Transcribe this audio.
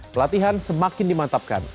pelatihan semakin dimantapkan